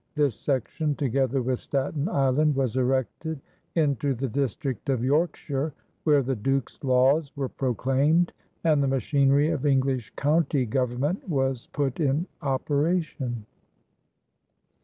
This section together with Staten Island was erected into the district of Yorkshire, where "the Duke's Laws" were proclaimed and the machinery of English county government was put in operation.